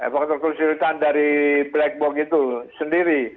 faktor kesulitan dari black box itu sendiri